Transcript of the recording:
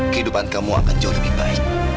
kehidupan kamu akan jauh lebih baik